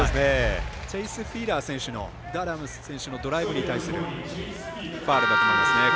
チェイス・フィーラー選手のダーラム選手のドライブに対するファウルだと思います。